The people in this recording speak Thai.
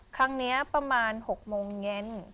ครั้งนี้ประมาณ๖โมงเย็น